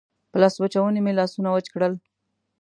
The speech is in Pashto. په لاسوچوني مې لاسونه وچ کړل.